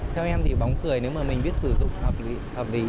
theo em thì bóng cười nếu mà mình biết sử dụng hợp lý